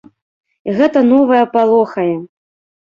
І гэта новае палохае.